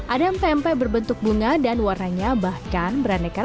ada pempe berbentuk bunga dan warnanya bahkan beraneka ragam